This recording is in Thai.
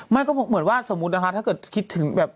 ไม่ก็เหมือนว่าสมมุตินะคะถ้าเกิดคิดถึงแบบ